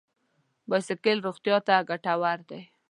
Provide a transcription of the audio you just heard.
بایسکل روغتیا ته ګټور دی.